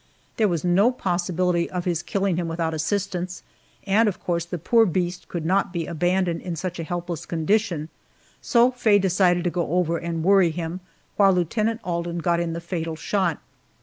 There was no possibility of his killing him without assistance, and of course the poor beast could not be abandoned in such a helpless condition, so Faye decided to go over and worry him, while Lieutenant Alden got in the fatal shot.